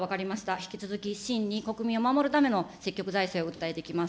引き続き、真に国民を守るための積極財政を訴えていきます。